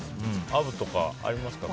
アブとか、ありますか？